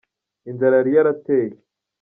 Inzara yari yarateye.